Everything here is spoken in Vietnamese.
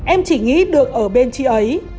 em chỉ nghĩ được ở bên chị ấy